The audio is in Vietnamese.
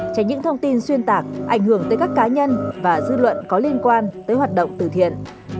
tránh những thông tin xuyên tạc ảnh hưởng tới các cá nhân và dư luận có liên quan tới hoạt động từ thiện